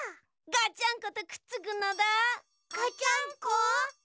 ガチャンコ！